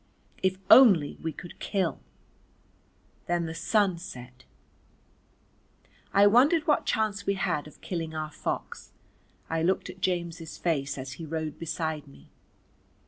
If only we could kill! Then the sun set. I wondered what chance we had of killing our fox. I looked at James' face as he rode beside me.